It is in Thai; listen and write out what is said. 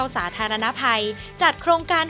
วันนี้ขอบคุณพี่อมนต์มากเลยนะครับ